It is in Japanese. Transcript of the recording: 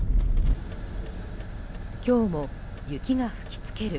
今日も雪が吹き付ける